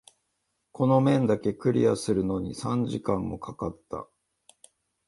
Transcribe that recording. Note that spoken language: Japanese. この面だけクリアするのに三時間も掛かった。